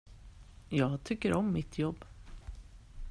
Jag tycker om mitt jobb.